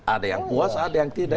ada yang puas ada yang tidak